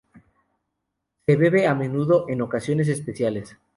Se bebe a menudo en ocasiones especiales.